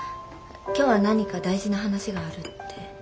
今日は何か大事な話があるって。